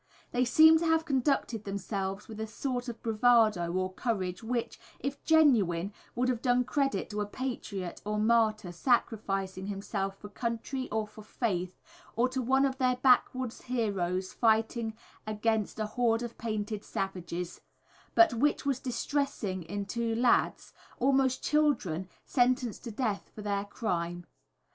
They seem to have conducted themselves with a sort of bravado or courage which, if genuine, would have done credit to a patriot or martyr sacrificing himself for country or for faith, or to one of their backwoods heroes fighting against "a horde of painted savages," but which was distressing in two lads, almost children, sentenced to death for their crime.